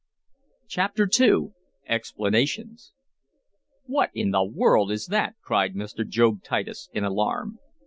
Chapter II Explanations "What in the world is that?" cried Mr. Job Titus, in alarm.